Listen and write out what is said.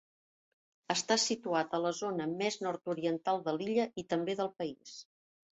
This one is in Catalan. Està situat a la zona més nord-oriental de l'illa i també del país.